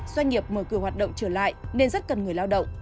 doanh nghiệp mở cửa hoạt động trở lại nên rất cần người lao động